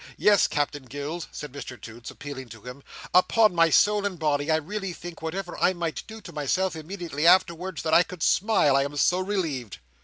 Yes, Captain Gills," said Mr Toots, appealing to him, "upon my soul and body, I really think, whatever I might do to myself immediately afterwards, that I could smile, I am so relieved."